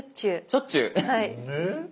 しょっちゅうアハ。